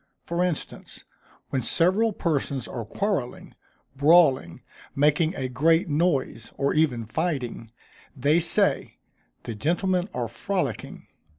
For instance, when several persons are quarrelling, brawling, making a great noise, or even fighting, they say, "_the gentlemen are frolicking!